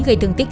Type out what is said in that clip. gây thương tích